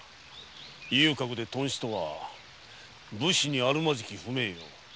遊廓で頓死とは武士にあるまじき不名誉。